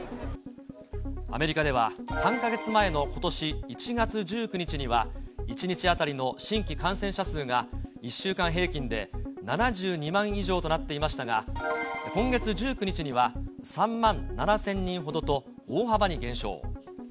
アメリカでは、３か月前のことし１月１９日には、１日当たりの新規感染者数が１週間平均で７２万以上となっていましたが、今月１９日には、３万７０００人ほどと、大幅に減少。